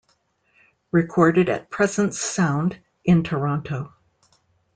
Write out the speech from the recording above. Recorded at Presence Sound in Toronto.